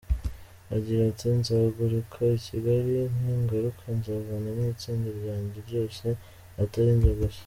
Agira ati “Nzagaruka i Kigali! Ningaruka nzazana n’itsinda ryanjye ryose atari jye gusa.